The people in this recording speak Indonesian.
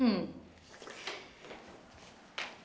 kamu juga bisa mencoba